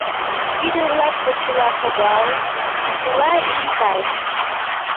Ӱдыр-влак, почела шогалын, йӱксыла ийын кайышт.